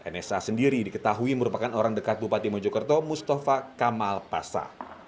nsa sendiri diketahui merupakan orang dekat bupati mojokerto mustafa kamal pasa